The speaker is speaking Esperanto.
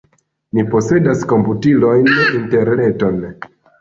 Ni posedas komputilojn, interreton.